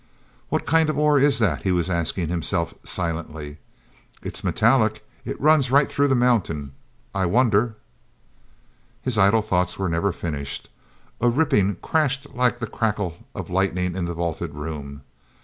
"What kind of ore is that?" he was asking himself silently. "It's metallic; it runs right through the mountain. I wonder—" His idle thoughts were never finished. A ripping crash like the crackle of lightning in the vaulted room!